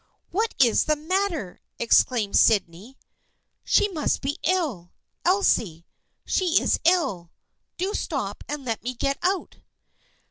What is the matter?" exclaimed Sydney. "She must be ill! Elsie ! She is ill ! Do stop and let me get out."